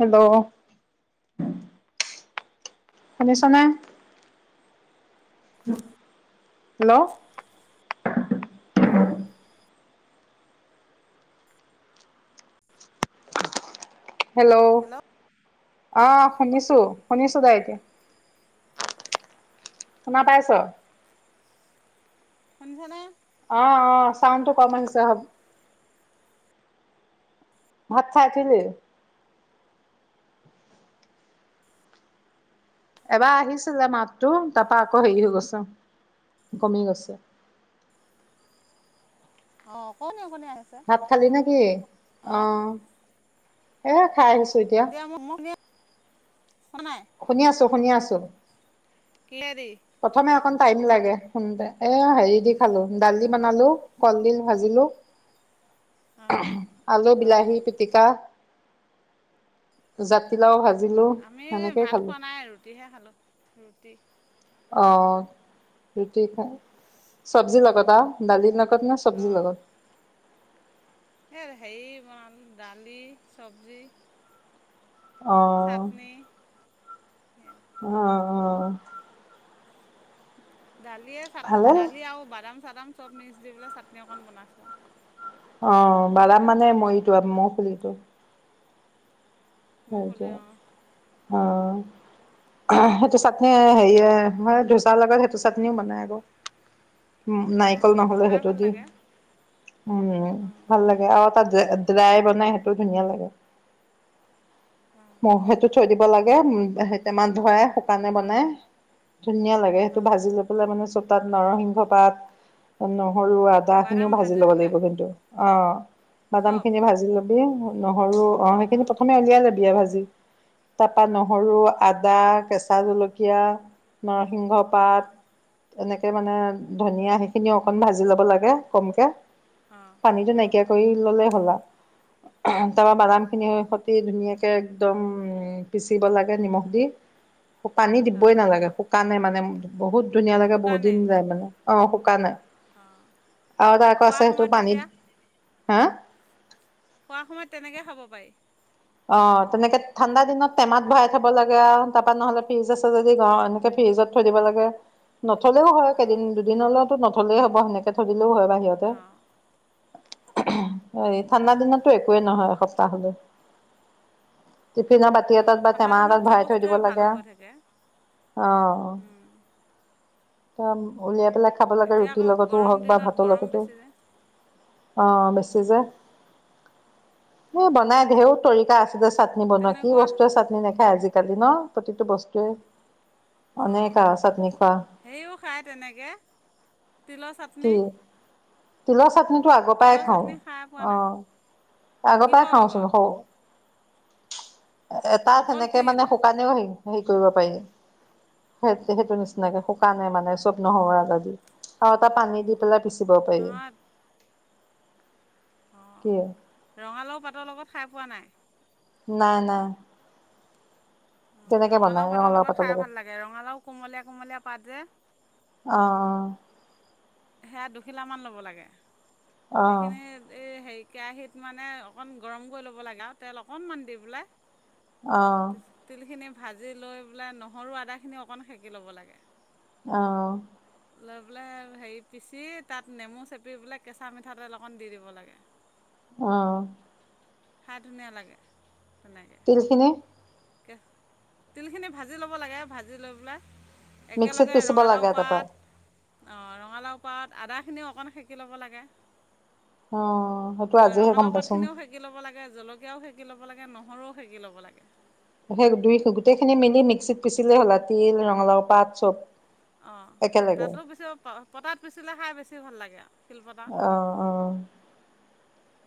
Hello? শুনিছনে? Hello? Hello, অ', শুনিছোঁ, শুনিছোঁ দে এতিয়া। শুনা পাইছ'? শুনিছনে? অ', অ', চাউনটো ক'ম আহিছে, হ'ব। ভাত খাই, উঠিলি? এবাৰ আহিছিলে মাতটো, তাৰপা আকৌ হেৰি হৈ গৈছে, কমি গৈছে। অ', অকনি-অকনি আহে। ভাত খালি নে, কি? অ', এয়া খাই আহিছোঁ। এতিয়া [unintelligible] নাই। শুনি আছো, শুনি আছো। কিহেদি? প্ৰথমে অকন টাইম লাগে, শুনোতে। এ হেৰি দি খালো, দালি বনালো, কলডিল ভাজিলো। অ আলু, অ বিলাহী পিটিকা। জাতিলাও ভাজিলো, আমি সেনেকেই ভাত খালো। খোৱা নাই ৰুটিহে খালোঁ, ৰুটি। অ', ৰুটী চব্জি লাগত আৰু, দালি লগত নে চব্জি লগত? সে হেৰি বনালো, দালি চব্জি অ', চাটনি, সেয়া। অ', অ'। দালিয়ে চাট, ভালে দালি আৰু বাদাম-চাদাম চব মিক্স দি পেলাই, চাটনি অকণ বনাইছোঁ আৰু। অ', বাদাম মানে মইটো, [unintelligible] খুলিটো। মোৰ সেই ফুলি অ অ', ভাল সেইটো লাগে চাটনি হেৰিয়ে, মানে ধোচাৰ লগত সেইটো চাটনিও বনাই, আকৌ। উম, অ নাৰিকল নহ'লে খাই সেইটো ভাল দি, লাগে উম, অ। ভাল লাগে। আৰু তাত ড্ৰাই বনাই, সেইটো ধুনীয়া লাগে। অ ম, সেইটো থৈ দিব লাগে, উ, সে টেমাত ভৰাই, শুকানে বনাই, ধুনীয়া লাগে। অ সেইটো ভাজি লৈ পেলাই মানে চব তাত, নৰসিংহ পাত, নহৰু আদ দা খিনিও, বাদাম ভাজি ল'ব লাগিব বোলাই কিন্তু। অ', বাদাম চব খিনি ভাজি লবি, নহৰু, আহ, অ সেইখিনি প্ৰথমে উলিয়াই লবি ভাজি। তাৰপা নহৰু, আদা, কেঁচা জলকীয়া, নৰসিংহ পাত, অ। এনেকে মানে, ধনিয়া সেইখিনিও অকণ ভাজি ল'ব লাগে, ক'মকে। অঁ পানীটো, অঁ নাইকিয়া কৰি ল'লে হ'ল আৰু তাৰপা বাদাম খিনি দি ধুনীয়াকৈ একদম, পিচিব লাগে নিমখ দি। পানী অঁ দিবই নালাগে, শুকানে মানে, বহুত ধুনীয়া লাগে, বহুত দিন শুকানে যায় মানে। অ', শুকানে, অঁ আৰু এটা আকৌ আছে, খোৱাৰ সেইটো সময়ত পানীত, তেতিয়া হা খোৱাৰ সময়ত, তেনেকৈ খাব পাৰি। অ', তেনেকে ঠাণ্ডা দিনত টেমাত ভৰাই থ'ব লাগে আৰু তাৰপা নহ'লে, ফ্ৰিজ আছে যদি ঘৰৰ, এনেকে ফ্ৰিজত থৈ দিব লাগে। নথলেও হয় কেইদিন অঁ দুদিনলৈতো নথলেই হ'ব সেনেকে থৈ দিলেও হয় বাহিৰতে। অঁ ঠাণ্ডা অঁ দিনতো একোৱেই নহয়, এসপ্তাহলে টিফিনৰ বাতি অঁ এটাত বা ঠাণ্ডা টেমা দিনত এটাত চব ভৰাই থৈ বস্তুৱে দিব ভাল লাগে আৰু অ' উম, দম উলিয়াই পেলাই খাব লাগে এতিয়া ৰুটিৰ আকৌ লগতো গৰম হওক বা দিনত ভাতৰ গৰম লগতো, বেছি যে অ' বেছি যে। এ বনাই ঢেৰ তৰিকা আছে যে চাটনি বনোৱা কি তেনেকুৱা বস্তুৱে, চাটনি নেখায় আজি কালি ন প্ৰতিটো বস্তুৱে, অনেক আৰু চাটনি খোৱা। সেইও খায় তেনেকে, তিলৰ চাট কি? তিলৰ চাটনি টো আগৰ পৰাই তিলৰ খাও চাটনি খাই পোৱা নাই অ' আগৰ পৰাই কিহৰ খাও চুন, লগত সৰু এটা অকল সেনেকে তিল মানে, শুকালেও হে-হেৰি কৰিব পাৰি। সেই-সেইটো নিচিনাকে শুকানে মানে ছব নহৰু, আদা দি। বা পানী দি পেলাই পিচিব পাৰি। নহয় কি অ' ৰঙালাও পাতৰ লগত খাই পোৱা নাই? নাই, নাই। অ' ৰঙালাও পাতৰ লগত খাই ভাল লাগে ৰঙালাও কোমলীয়া, কোমলীয়া পাত যে। অ', সেয়া দুখিলামান ল'ব লাগে অ সেইখিনি এই সেই কেৰাহীত মানে অকণ গৰম কৰি ল'ব লাগে আৰু তেল অকণমান দি অ পেলাই। অ তিলখিনি ভাজি লৈ পেলাই নহৰু আদাখিনি অকণমান সেকি ল'ব লাগে। অ', লয় পেলায় হেৰি পিচি তাত নেমু চেপি পেলাই কেঁচা-মিঠাতেল অকণ দি দিব লাগে। অ', খাই ধুনীয়া লাগে তেনেকে। তিলখিনি তেলখিনি ভাজি ল'ব লাগে ভাজি লৈ পেলাই মিক্সিত একেলগে পিচিব ৰঙালাও লাগে তাৰপা পাত অ' ৰঙালাও পাত আদাখিনিও অকণ সেকি ল'ব লাগে। অ' সেইটো আজিহে গম ৰঙালাও পাইছো। পাতখিনিও সেকি ল'ব লাগে জলকীয়াও সেকি ল'ব নহৰুও সেকি ল'ব লাগে। সেই দুই গোটেইখিনি মেলি মিক্সিত পিচিলে হ'লা তিল, ৰঙালাও পাত চব। অ' একেলগে তাতো পিছি পটাত পিচিলে খাই বেছি ভাল লাগে আৰু। শিলপতাত অ'অ'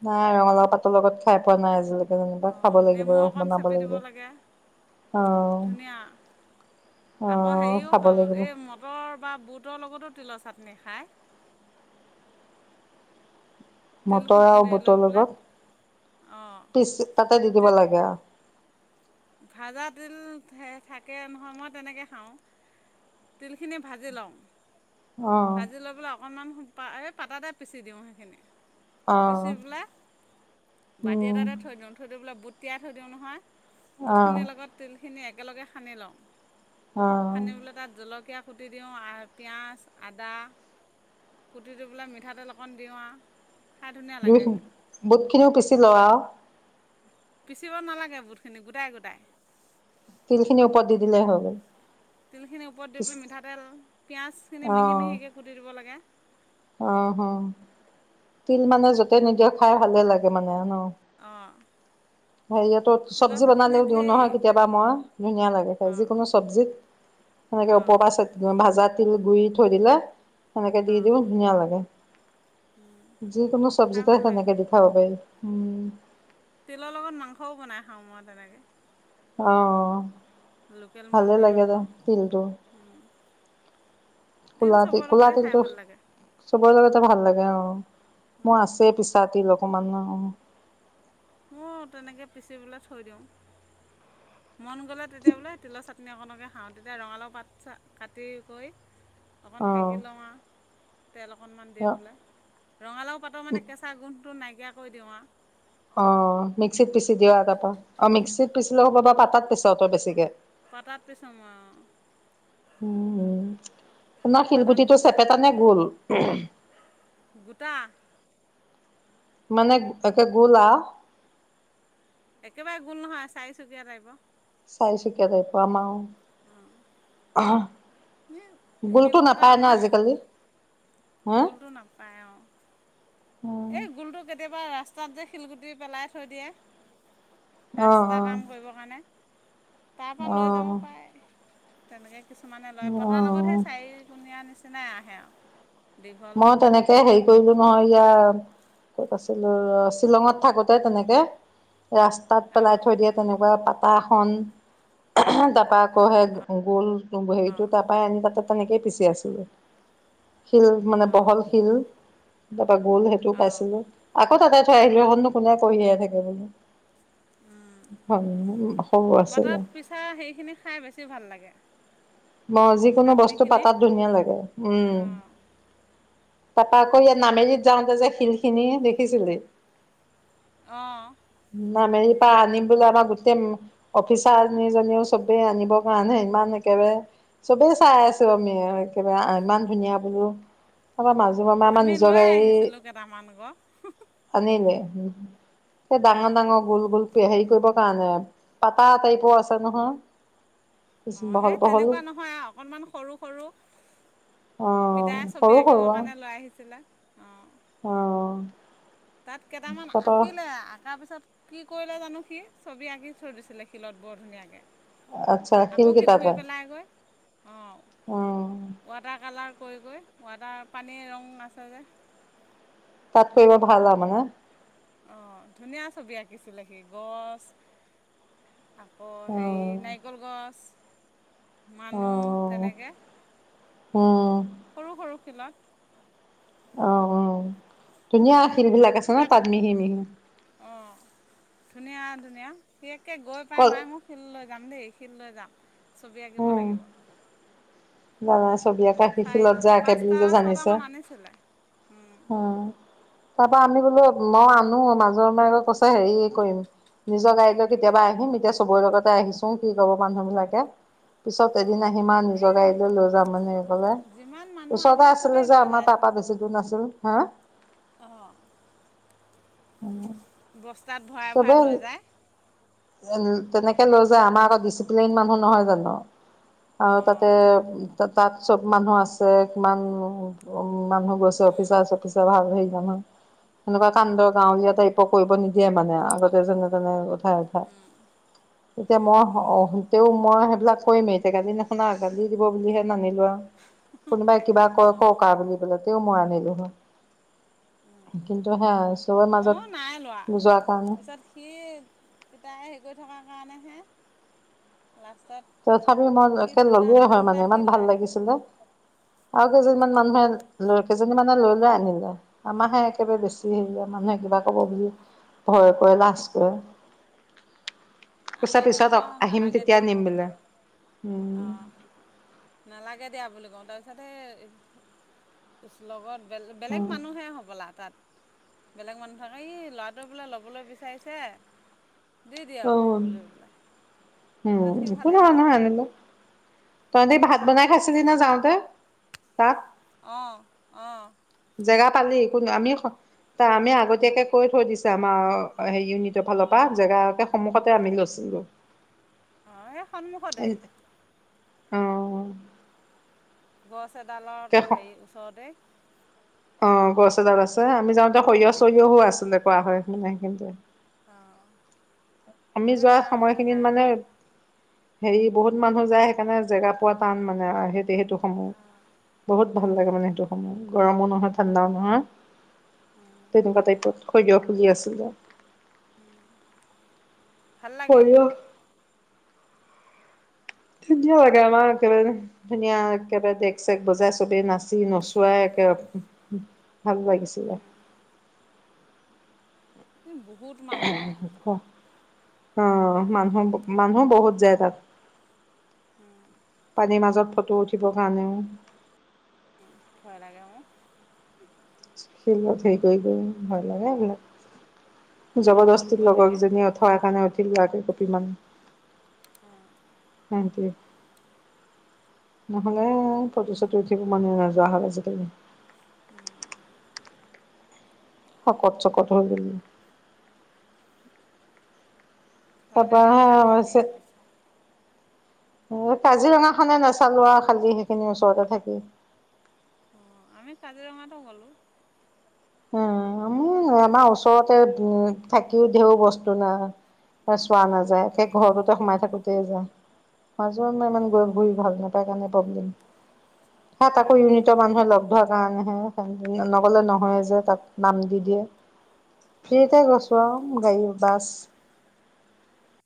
নাই ৰঙালাও পাতৰ লগত খাই পোৱা নাই আজিলৈ। অ'নেমু অকণ চেপি দিব লাগে অ ধুনীয়া। অ আকৌ হেৰিও খাব লাগিব এই মটৰ বা বুটৰ লগতো তিলৰ চাটনি খায়। তিল মটৰ আৰু খুন্দি লৈ বুটৰ পেলাই লগত অঁ পিচি তাতে দি দিব তিল লাগে আৰু। ভাজা তিল থে থাকে নহয় মই তেনেকৈ খাও। তেলখিনি ভাজি লও। অ ভাজি লৈ পেললৈ অকণমান এই পাতা এ পিচি দিওঁ সেইখিনি। অ পিচি পেলাই বাতি উম এটাতে থৈ দিও থৈ দি পেলাই বুটিয়াই থৈ দিও নহয়। অ বুটখিনিৰ লগত তেলখিনি একেলগে সানি লও অ সানি তাত জলকীয়া খুটি দিও আৰু পিয়াজ আদা কুটিটো পেলাই মিঠাতেল অকণ দিও আৰু। খাই ধুনীয়া দুই লাগে। বুটখিনিও পিচি লোৱা আৰু পিচিব নালাগে বুুটখিনি গোটাই গোটাই। তিলখিনিৰ ওপৰত দি দিলেই হৈ গ'ল তেলখিনিৰ ওপৰত দি পিচ পেলাই মিঠাতেল, পিয়াজ। সেইখিনি মিহি-মিহিকে কুটি দিব লাগে। অহ' তিল মানে য'তে নিদিৱ, খাই ভালে লাগে মানে ন। অঁ। হেৰিয়াতো তিলৰ চবজি চাটনি বনালেও দিও ঢেৰ নহয় কেতিয়াবা মই, ধুনীয়া লাগে খাই অঁ যিকোনো চব্জিত। সেনেকে অঁ ওপৰ পৰা ভাজা তিল গুৰি থৈ দিলে। সেনেকে দি অঁ দিব ধুনীয়া লাগে, যিকোনো খাই চবজিতে ভাল লাগে সেনেকে দি খাব পাৰিবি। তিলৰ লগত মাংসও বনাই খাওঁ মই তেনেকে। আহ' লোকেল ভালে মুৰ্গী লাগে মাংস দে তিলটো। কুলা তিল চবৰ কুলা লগতে খাই তিলটো ভাল লাগে চবৰে লগতে ভাল লাগে অ'। মোৰ আছে পিচা তিল অকমান অ'। মোৰ তেনেকে পিচি পেলে থৈ দিওঁ। মন গ'লে তেতিয়া বোলে তিলৰ চাটনি অকণকে খাওঁ, তেতিয়া ৰঙালাও পাত-চাত কাটি কৰি। অকণ সেকি লওঁ আৰু তেল অকণমান দি অ'। পেলাই। ৰঙালাও পাতো মানে কেঁচা গোন্ধটো নাইকিয়া কৰি দিওঁ আও। অ' মিক্সিত পিচি দিয়া তাৰপা। অ' মিক্সিত পিচিলেও হ'ব পাতাত পিছ তই বেছিকে? পাতাত পিছো মই অ'। উম উম, তোমাৰ পটাত শিলগুটিটো পিচিলে চেপেটা ভাল নে লাগে গোল? গোটা। মানে একে গোল আও। একেবাৰে গোল নহয়! চাৰিচুকীয়া টাইপৰ। চাৰিচুকীয়া টাইপৰ আমাৰ অ'। উম'। গোলটো নাপায় ন' আজিকালি? হা গগোলটো নাপায় অ'। অ এই গোলটো কেতিয়াবা ৰাস্তাত যে শিলগুটি পেলাই থৈ দিয়ে। অ ৰাস্তাৰ কাম কৰিবৰ কাৰণে তাৰ পৰা অ লৈ যাব পাৰে। তেনেকে কিছুমানে লয় অ পতাৰ লগত সেই চাৰি কোণীয়া নিচিনাই আহে আও। মইয়ো তেনেকে হেৰি কৰিলো নহয়। ইয়াৰ ক'ত আছিলোঁ ৰ'! শ্বিলঙত থাকোঁতে তেনেকে ৰা তাত পেলাই অঁ থৈ দিয়ে। তেনেকুৱা পাতা এখন, তাৰপৰা আকৌ সেই গোল সেইটো অঁ তাৰ পৰা আনি তেনেকেই পিচি আছিলো। শিল মানে অঁ বহল শিল। তাৰাপৰা গোল সেইটো অঁ পাইছিলো। আকৌ তাতে থৈ আহিলো। [unintelligible] কোনে কঢ়িয়াই থাকে বুলি। হয়, [unintelligible] তাৰ সেইখিনি খাই বেছি ভাল লাগে। মই যিকোনো বস্তু চাটনিখিনি পাতাত ধুনীয়া লাগে। উম! অঁ তাৰপা আকৌ ইয়াত নামেৰিত যাওঁতে যে, শিল খিনি দেখিছিলি? অঁ। উম, নামেৰি পা অনিবলে আমাৰ গোটেই অফিচাৰ কেইজনীও চবেই আনিব কাৰণে ইমান একেবাৰে চবেই চাই আছো আমি। একেবাৰে ইমান ধুনীয়া বোলো। তাৰপা মাজো মামাই আমাৰ আমি নিজৰ লৈ গাড়ী আহিছিলোঁ কেইটামান আকৌ আনিলে। সেই ডাঙৰ, অঁ ডাঙৰ গোল, গোল। হেৰি কৰিব কাৰণে, পাতা টাইপো আছে নহয়। অঁ বহল সেই বহল তেনেকুৱা নহয়, অকণমান সৰু, সৰু। অ পিতায়ে সৰু ছবি সৰু আঁকিব কাৰণে লৈ আহিছিলোঁ। অঁ। অঁ। তাত কেইটামান আঁকিলে, আঁকাৰ পিছত কি কৰিলে জানো সি? ছবি আঁকি থৈ দিছিলে শিলত বৰ ধুনীয়াকে। আচ্ছা আকৌ সি ধুই শিলকেইটাতে পেলাইগৈ। অঁ। অ ৱাটাৰ কালাৰ কৰি, কৰি ৱাটাৰ, পানীৰ ৰং আছে যে। তাত কৰিলে ভাল আও মানে। অঁ, ধুনীয়া ছবি আঁকিছিলে সি, গছ আকৌ, অ হেৰি নাৰিকল গছ, অ মানুহ, তেনেকে। উম। সৰু, সৰু শিলত। অঁ অঁ, ধুনীয়া শিল বিলাক আছে ন', তাত সি মিহি, মিহি। অঁ, ধুনীয়া, ধুনীয়া সি একে গৈ পাই কল মাই মোক শিল লৈ যাম দেই, শিল লৈ যাম, ছবি আঁকিব উম লাগিব। জানা ছবি আঁকা চাৰি শিলত যে আঁকে বুলি পাঁচটা যে জানিছে ছটামান আনিছিলে। উম। অ তাৰ পৰা আমি বোলো, মই আনো। মাজৰ মাকে কৈছে হেৰি কৰিম। নিজৰ গাড়ী লৈ কেতিয়াবা আহিম। এতিয়া চবৰে লগতে আহিছো কি কব মানুহ বিলাকে। পিছত এদিন অঁ আহি আও এই নিজৰ গাড়ীত। লৈ যাম এনেকে কলে যিমান মানুহ আহে ওচৰতে আছিলে চবেই যে, লৈ আমাৰ যায়চোন তাৰপৰা বেছি দূৰ নাছিল। হে? অঁ বস্তাত ভৰাই ভৰাই লৈ যায়। উম, তেনেকে লৈ আমাৰ আকৌ ডিচিপ্লিন মানুহ নহয় জানো? আৰু তাতে অঁ তাত চব মানুহ আছে কিমান মানুহ কেছে অফিচাৰ চফিচৰ ভাল হেৰি যায় সেনেকুৱা কান্দ গাঁওলীয়াত কৰিব নিদিয়ে মানে আগতে যেনে তেনে উঠাই উঠাই এতিয়া মই তেও মই সেইবিলাক কৰিমেই এতিয়া কালি নুশুনা কালি দিব বুলিহে নানিলো আও কোনোবাই কিবা কয় কওক অঁ আও বুলি তেওঁ মই আনিলো হয়। কিন্ত সেহজ মইও নাই লোৱা, পিছত পিছত সি কিতাই হেৰি কৰি থকাৰ কাৰণেহে লাষ্টত তথাপি মই সি একে দুটা নে ললোৱেই হয় মানে, তিনিটা সি ইমান ভাল লৈ আহিলে লাগিছিলে। আও অঁ কেইজনমান মানুহে ল কেইজনী মানে লৈ লৈ আনিলে, আমাৰহে একেবাৰে বেছি হেৰি আ মানুহে কিবা ক'ব বুলি ভয় কৰে, লাজ অঁ কৰে। কৈছে আমি থ পিছত আহিম নালাগে তেতিয়া দিয়া নিম বোলে। উম অঁ নালাগে দিয়া বুলি কওঁ, তাৰপিছত সেই ওচ লগত বে বেলেগ উম মানুহে হ'বলা তাত বেলেগ মানুহ থাকে ই ল'ৰাটোৱে বোলে ল'বলৈ বিচাৰিছে, দি অ দিয়ক বুলি বেলাই উম একো নহয় নহয় আনিলে, তহঁতি ভাত বনাই খাইছিলি নে যাওঁতে তাত? অঁ অঁ জেগা পালি? কোনো আমি স তা আমি আগতীয়াকে কৈ থৈ দিছো। আমাৰ সে ইউনিটৰ ফালৰ পৰা জেগা একে সন্মুখতে আমি লৈছিলোঁ। অ এই সন্মুখতে। অঁহ। গছ এডালত অ হেৰি ওচৰতেই। অ গছ এডাল আছে, আমি যাওঁতে সৰিয়হ চৰিয়হো আছিলে কোৱা হয় মানে সেই খিন্তে। আহ। আমি যোৱা সময়খিনিত মানে হেৰি বহুত মানুহ যায় সেইকাৰণে জেগা পোৱা টান মানে সেই যি সেইটো সমূহ অঁ বহুত ভাল অঁ লাগে মানে সেইটো সমূহ গৰমো নহয় ঠাণ্ডাও নহয়। তেনেকুৱা টাইপত সৰিয়হ খুজি আছিলে। উম ভাল লাগে সৰিয়হ গৈ [inaudible] একেবাৰে। ধুনীয়া একেবাৰে দেগ চেগ বজাই চবেই নাচি নচুৱাই একে ভাল লাগিছে। উম। বহুত মানুহ হয়। অ তাত মানুহো মানুহো বহুত যায় তাত। পাণী মাজত ফটো উঠিবৰ কাৰণেও। উম ভয় লাগে মোৰ। ফিল্ডত হেৰি কৰি কৰি ভয় লাগে এইবিলাক, ইমান সুত জবৰদস্তি বৈ থাকে লগকজনীয়ে ও ৱা কাৰনে উঠিলোঁ আৰু দুই কপি মান। অহ। থেংকিইউ। নহলে ফটো চটো উঠিব মনে নোযোৱা হল আজিকালি। উম। সকত চকটো হৈ গলো। ভয় তাপা লাগে [inaudible] পানীৰ হেৰিত বেছি এ কাজিৰঙা খনে নাচালো আৰু খালি সেইখিনি ওচৰতে থাকি। অঁ আমি কাজিৰঙাতো গ'লো। উম আমি ভাল আমাৰ লাগে ওচৰতে উ থাকিও ঢেউ বস্তু না, চোৱা নাযায় সেই ঘৰতোতে সোমাই থাকো। তে যায়, মাজৰ ইমান গৈ ঘূৰি ভাল নাপায় কাৰণে প্ৰব্লেম। সাত আকৌ ইউনিটৰ মানুহে লগ ধৰাৰ কাৰণে, নগলে নহয় যে। তাত নাম দি দিয়ে, ফ্ৰীতে গৈছোঁ অঁ আৰু গাড়ী বাছ।